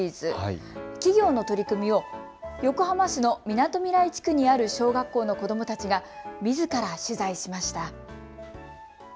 企業の取り組みを横浜市のみなとみらい地区にある小学校の子どもたちがみずから取材しました。